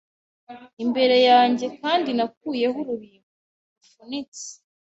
imbere yanjyeKandi nakuyeho urubingo rufunitse